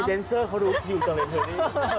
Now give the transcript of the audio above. แดนเซอร์เค้ารู้ว่ากปิวตะเรนนเธออะไรนี่